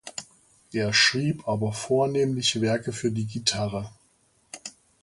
Er schrieb aber vornehmlich Werke für die Gitarre.